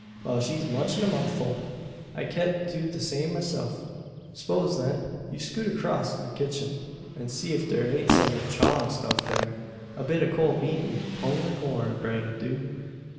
While she's munchin' a mouthful, I ked do the same myself. 'Spose, then, you skoot acrosst to the kitchen, an see ef thur ain't some chawin' stuff thur a bit o' cold meat an a pone o' corn bread 'll do.